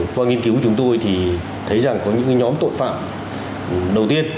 qua nghiên cứu của chúng tôi thì thấy rằng có những nhóm tội phạm đầu tiên